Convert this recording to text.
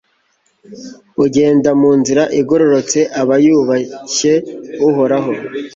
ugenda mu nzira igororotse aba yubashye uhoraho